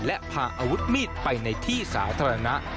และพาอาวุธมีดไปในที่สาธารณะ